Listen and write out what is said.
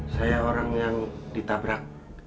saya orang yang ditabrak